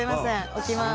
起きます。